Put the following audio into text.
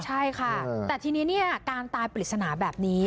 ใช่ค่ะแต่ทีนี้เนี่ยการตายปริศนาแบบนี้